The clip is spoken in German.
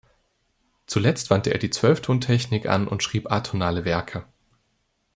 Zuletzt wandte er die Zwölftontechnik an und schrieb atonale Werke.